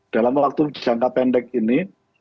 dalam waktu jangka pendek ini